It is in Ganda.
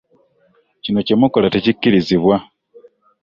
Kino kye mukola tekikkirizibwa.